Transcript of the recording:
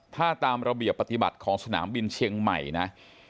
ถ้าตามระเบียบปฏิบัติของสนามบินเชียงใหม่นะ